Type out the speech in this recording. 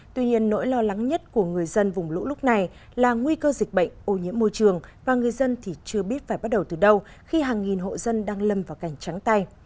tuy nhiên nỗi lo lắng nhất của người dân vùng lũ lúc này là nguy cơ dịch bệnh ô nhiễm môi trường và người dân thì chưa biết phải bắt đầu từ đâu khi hàng nghìn hộ dân đang lâm vào cảnh trắng tay